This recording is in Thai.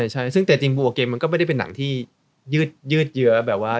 ใช่ซึ่งแต่จริงบัวเกมมันก็ไม่ได้เป็นหนังที่ยืดเยื้อแบบว่า